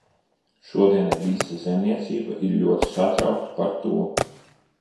Šodien visa zemniecība ir ļoti satraukta par to.